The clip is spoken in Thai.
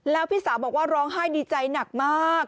แล้วพี่สาวบอกว่าร้องไห้ดีใจหนักมาก